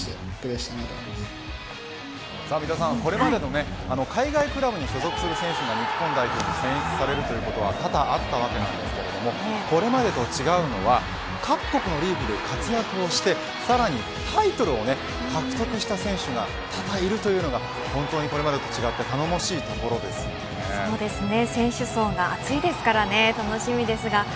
三田さん、これまでの海外クラブに所属する選手の日本代表に選出されることは多々あったわけですけれどもこれまでと違うのは各国のリーグで活躍をしてさらにタイトルを獲得した選手が多々いるというのが本当にこれまでと違ってそうですね